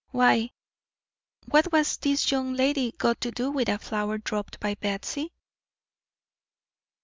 Why, what has this young lady got to do with a flower dropped by Batsy?"